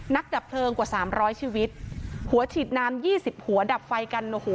ดับเพลิงกว่าสามร้อยชีวิตหัวฉีดน้ำยี่สิบหัวดับไฟกันโอ้โห